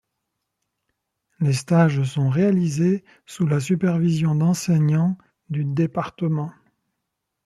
Les stages sont réalisés sous la supervision d'enseignants du Département.